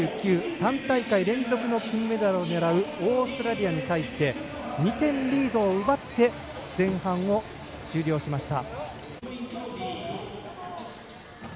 ３大会連続の金メダルを狙うオーストラリアに対して２点リードを奪って前半を終了しました。